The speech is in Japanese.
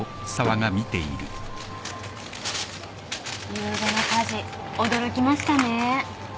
ゆうべの火事驚きましたね。